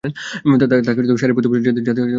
তাকে শাড়ি পরতে বল যাতে দ্রুত হাঁটতে না পারে।